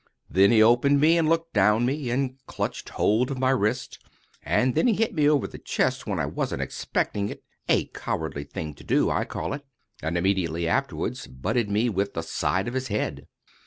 Then he opened me and looked down me, and clutched hold of my wrist, and then he hit me over the chest when I wasn't expecting it—a cowardly thing to do, I call it—and immediately afterwards butted me with the side of his head.